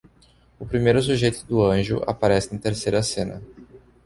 O primeiro sujeito do anjo aparece na terceira cena.